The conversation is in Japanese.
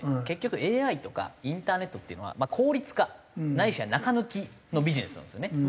結局ＡＩとかインターネットっていうのは効率化ないしは中抜きのビジネスなんですね。